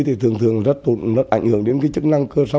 thì thường thường rất ảnh hưởng đến cái chức năng cơ sở